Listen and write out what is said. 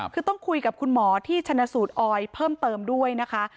คือต้องคุยกับคุณหมอที่ชนะสูตรออยเพิ่มเติมด้วยนะคะ